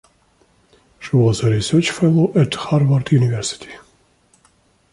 She was a research fellow at Harvard University.